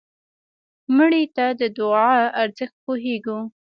مړه ته د دعا ارزښت پوهېږو